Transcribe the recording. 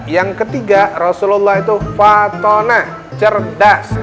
yang ketiga rasulullah itu fatonah cerdas